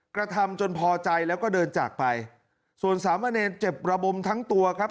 กระทำจนพอใจแล้วก็เดินจากไปส่วนสามเณรเจ็บระบมทั้งตัวครับ